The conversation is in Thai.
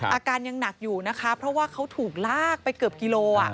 อาการยังหนักอยู่นะคะเพราะว่าเขาถูกลากไปเกือบกิโล